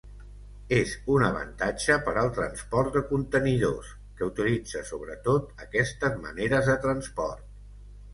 És un avantatge per al transport de contenidors, que utilitza sobretot aquestes maneres de transport.